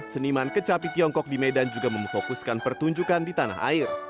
seniman kecapi tiongkok di medan juga memfokuskan pertunjukan di tanah air